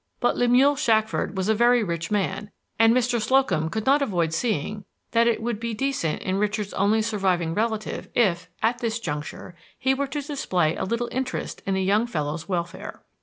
But Lemuel Shackford was a very rich man, and Mr. Slocum could not avoid seeing that it would be decent in Richard's only surviving relative if, at this juncture, he were to display a little interest in the young fellow's welfare.